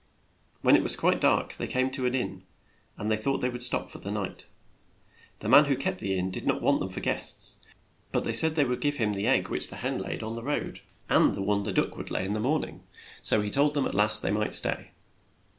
*"' When it was quite dark they came to an inn, and they thought they would stop for the night. The man who kept the inn did not want them for guests, but they said they would give him the egg which the hen had laid on the 106 A SET OF ROGUES road, and the one the duck would lay in the morn ing, so he told them at last they might stay.